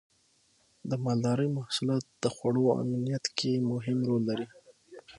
د مالدارۍ محصولات د خوړو امنیت کې مهم رول لري.